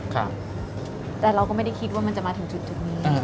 แต่เราก็ไม่ได้คิดว่ามันจะมาถึงจุดนี้